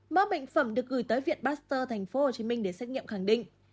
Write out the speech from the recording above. mẫu bệnh phẩm được gửi tới viện pasteur tp hcm để xét nghiệm khẳng định